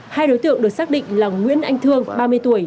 hai đối tượng được xác định là nguyễn anh thương ba mươi tuổi